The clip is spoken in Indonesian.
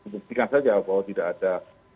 buktikan saja bahwa tidak ada